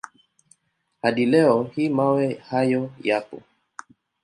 Hadi leo hii mawe hayo yapo.